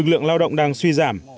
lực lượng lao động đang suy giảm